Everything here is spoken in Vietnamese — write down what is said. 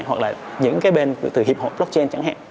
hoặc là những cái bên từ hiệp hội blockchain chẳng hạn